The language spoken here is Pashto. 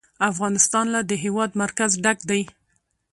افغانستان له د هېواد مرکز ډک دی.